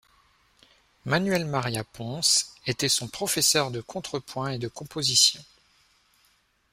Manuel María Ponce était son professeur de contrepoint et de composition.